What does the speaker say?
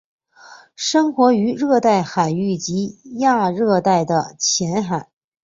生活于热带海域及亚热带的浅海。